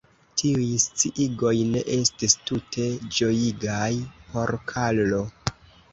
Tiuj sciigoj ne estis tute ĝojigaj por Karlo.